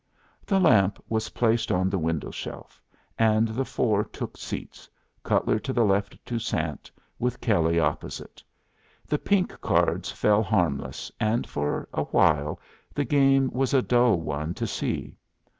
The lamp was placed on the window shelf, and the four took seats, Cutler to the left of Toussaint, with Kelley opposite. The pink cards fell harmless, and for a while the game was a dull one to see.